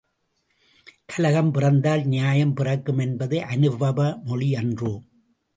கலகம் பிறந்தால் நியாயம் பிறக்கும் என்பது அனுபவமொழி அன்றோ!